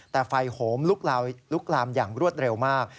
แต่ไฟโหมลุกลามอย่างรวดเร็วมาก